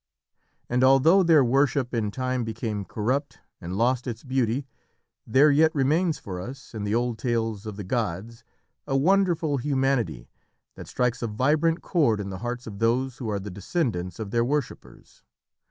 And although their worship in time became corrupt and lost its beauty, there yet remains for us, in the old tales of the gods, a wonderful humanity that strikes a vibrant chord in the hearts of those who are the descendants of their worshippers.